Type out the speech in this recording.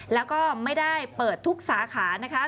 แล้วก็ไม่ได้เปิดทุกสาขานะคะ